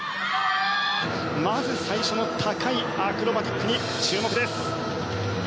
まず最初の高いアクロバティックに注目です。